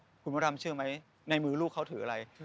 ถืออะไรครับพระรามเชื่อไหมในมือลูกเขาถืออะไร